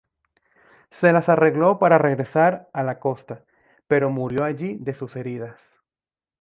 Se las arregló para regresar a la costa, pero murió allí de sus heridas.